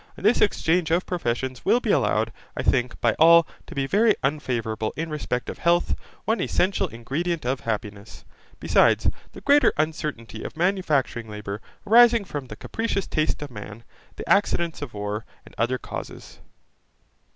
And this exchange of professions will be allowed, I think, by all, to be very unfavourable in respect of health, one essential ingredient of happiness, besides the greater uncertainty of manufacturing labour, arising from the capricious taste of man, the accidents of war, and other causes.